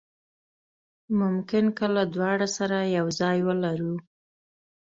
ممکن کله دواړه سره یو ځای ولرو.